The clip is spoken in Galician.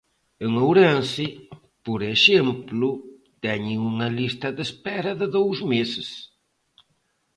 En Ourense, por exemplo, teñen unha lista de espera de dous meses.